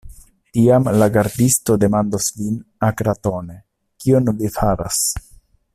Tiam la gardisto demandos vin akratone, kion vi faras.